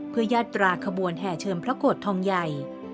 เพื่อยาตราขบวนแห่เชิมพระโกรธทองใหญ่